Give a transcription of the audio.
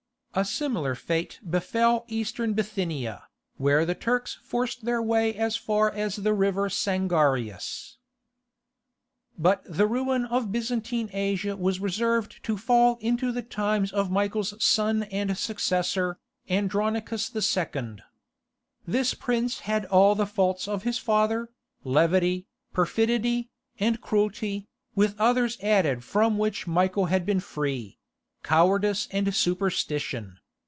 A similar fate befell Eastern Bithynia, where the Turks forced their way as far as the river Sangarius. But the ruin of Byzantine Asia was reserved to fall into the times of Michael's son and successor, Andronicus II. This prince had all the faults of his father, levity, perfidy, and cruelty, with others added from which Michael had been free—cowardice and superstition.